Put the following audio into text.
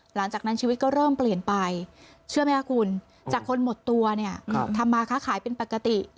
หลังจากนั้นชีวิตก็เริ่มเปลี่ยนไปเชื่อไหมครับคุณจากคนหมดตัวเนี่ยทำมาค้าขายเป็นปกติ